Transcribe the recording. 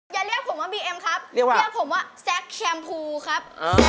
อย่าเรียกผมว่าบีเอ็มครับเรียกผมว่าแซคแชมพูครับ